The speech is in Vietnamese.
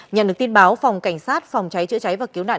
nhận được tin báo phòng cảnh sát phòng cháy chữa cháy và cứu nạn